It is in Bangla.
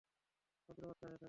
ভদ্র বাচ্চা হয়ে থাকবে।